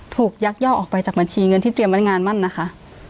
ยักยอกออกไปจากบัญชีเงินที่เตรียมไว้ในงานมั่นนะคะ